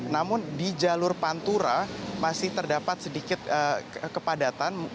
namun di jalur pantura masih terdapat sedikit kepadatan